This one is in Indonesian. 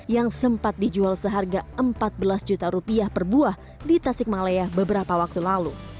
yang sempat dijual seharga empat belas juta rupiah per buah di tasikmalaya beberapa waktu lalu